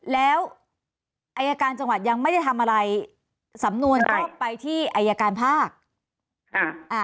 แล้วอายการจังหวัดยังไม่ได้ทำอะไรสำนวนก็ไปที่อายการภาคอ่า